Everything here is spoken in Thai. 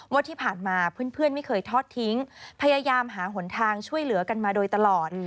ว่าที่ผ่านมาเพื่อนไม่เคยทอดทิ้งพยายามหาหนทางช่วยเหลือกันมาโดยตลอด